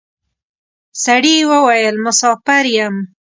سړي وويل: مساپر یم.